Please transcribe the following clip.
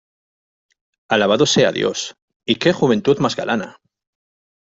¡ alabado sea Dios, y qué juventud más galana!